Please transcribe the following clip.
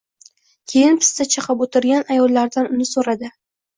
Keyin pista chaqib o‘tirgan ayollardan uni so‘radi